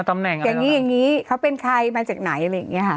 อย่างนี้อย่างนี้เขาเป็นใครมาจากไหนอะไรอย่างนี้ค่ะ